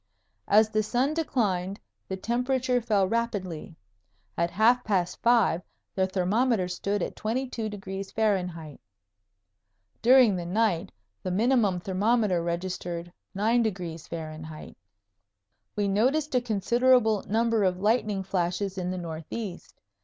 As the sun declined the temperature fell rapidly. At half past five the thermometer stood at 22° F. During the night the minimum thermometer registered 9° F. We noticed a considerable number of lightning flashes in the northeast.